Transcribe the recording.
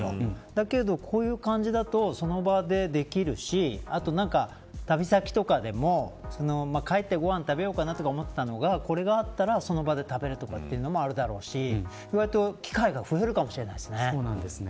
だけれど、こういう感じだとその場でできるしあと旅先とかでも帰ってご飯食べようかなと思ってたのがこれがあったらその場で食べるというのもあるだろうし機会が増えるかもしれませんね。